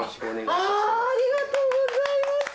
ありがとうございます！